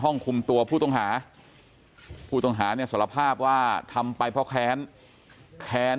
คุมตัวผู้ต้องหาผู้ต้องหาเนี่ยสารภาพว่าทำไปเพราะแค้นแค้น